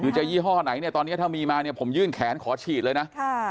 คือจะยี่ห้อไหนเนี่ยตอนนี้ถ้ามีมาเนี่ยผมยื่นแขนขอฉีดเลยนะ